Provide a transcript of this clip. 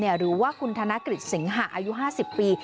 หรือว่าคุณธนกฤษเสงหะอายุ๕๐ปี